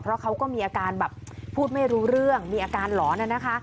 เพราะเขาก็มีอาการแบบพูดไม่รู้เรื่องมีอาการหลอนนะคะ